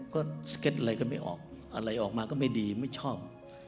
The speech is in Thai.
ก็สเก็ตอะไรก็ไม่ออกอะไรออกมาก็ไม่ดีไม่ชอบ